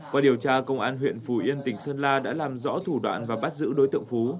qua điều tra công an huyện phủ yên tỉnh sơn la đã làm rõ thủ đoạn và bắt giữ đối tượng phú